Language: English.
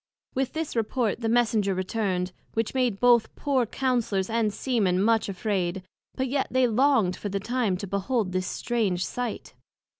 With this report the Messenger returned; which made both the poor Councellors and Sea men much afraid; but yet they longed for the time to behold this strange sight.